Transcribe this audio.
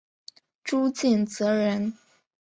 朱敬则人。